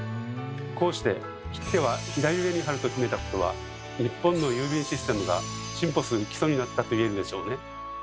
こうして切手は左上に貼ると決めたことは日本の郵便システムが進歩する基礎になったと言えるでしょうね。